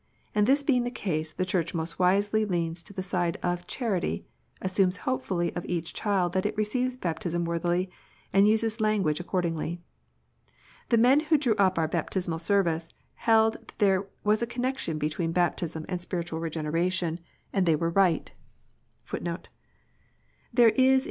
And this being the case, the Church most wisely leans to the side of charity, assumes hopefully of each child that it receives baptism worthily, and uses language accordingly. The men who drew up our Baptismal Service, held that there was a connection between baptism and spiritual KegeJ^eration, It may be well to remark that this is also the doctrine of the Church of Scotland.